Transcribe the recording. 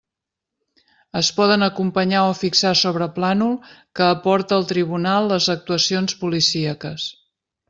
Es poden acompanyar o fixar sobre plànol que aporte el tribunal les actuacions policíaques.